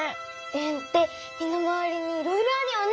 円って身の回りにいろいろあるよね。